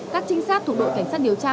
các trinh sát thuộc đội cảnh sát điều tra